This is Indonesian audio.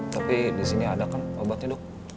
tapi disini ada kan obatnya dok